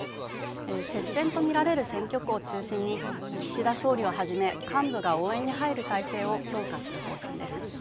接戦と見られる選挙区を中心に、岸田総理をはじめ幹部が応援に入る体制を強化する方針です。